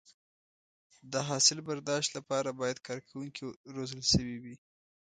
د حاصل برداشت لپاره باید کارکوونکي روزل شوي وي.